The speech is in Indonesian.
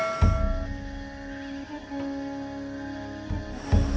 pakai air sumur tinang tawar